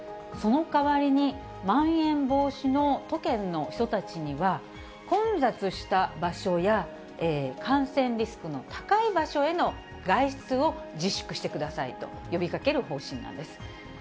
その代わりに、まん延防止の都県の人たちには、混雑した場所や、感染リスクの高い場所への外出を自粛してくださいと呼びかける方針なんです。